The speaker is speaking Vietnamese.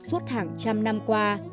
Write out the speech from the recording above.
suốt hàng trăm năm qua